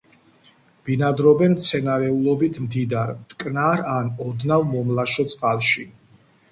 ბინადრობენ მცენარეულობით მდიდარ მტკნარ ან ოდნავ მომლაშო წყალში.